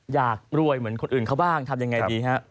อยากรวยเหมือนคนอื่นเขาบ้างทำยังไงดีฮะ